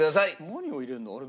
何を入れるんだ？